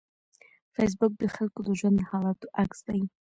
فېسبوک د خلکو د ژوند د حالاتو عکس دی